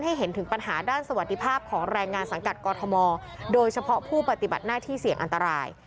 เห็นถึงปัญหาด้านสวัสดิภาพของแรงงานสังกัดกอทมโดยเฉพาะผู้ปฏิบัติหน้าที่เสี่ยงอันตราย